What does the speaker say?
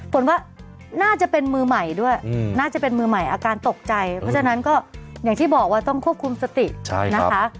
ฝนว่าน่าจะเป็นมือใหม่ด้วยน่าจะเป็นมือใหม่อาการตกใจเพราะฉะนั้นก็อย่างที่บอกว่าต้องควบคุมสตินะคะ